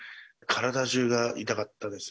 体中が痛かったです。